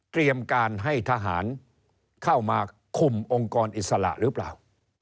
เตรียมการให้ทหารเข้ามาคุมองค์กรอิสระหรือเปล่า